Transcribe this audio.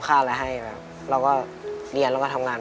ขัง